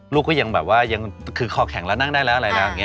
ลูกก็ยังแบบว่ายังคือคอแข็งแล้วนั่งได้แล้วอะไรแล้วอย่างนี้